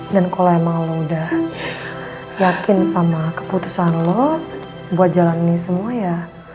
dan kalo emang lo udah yakin sama keputusan lo buat jalanin ini semua ya